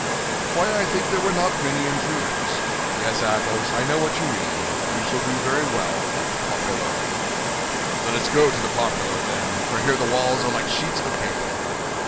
"Why, I think there were not many intruders. Yes, Athos, I know what you mean: we shall do very well at the Parpaillot." "Let us go to the Parpaillot, then, for here the walls are like sheets of paper."